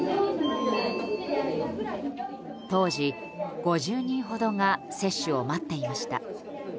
当時、５０人ほどが接種を待っていました。